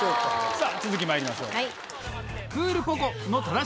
さぁ続きまいりましょう。